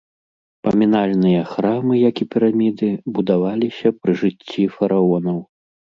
Памінальныя храмы, як і піраміды, будаваліся пры жыцці фараонаў.